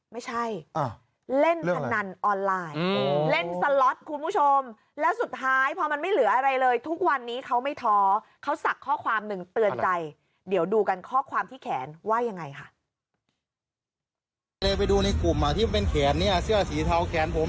ไม่ใช่เล่นพนันออนไลน์เล่นสล็อตคุณผู้ชมแล้วสุดท้ายพอมันไม่เหลืออะไรเลยทุกวันนี้เขาไม่ท้อเขาสักข้อความหนึ่งเตือนใจเดี๋ยวดูกันข้อความที่แขนว่ายังไงค่ะ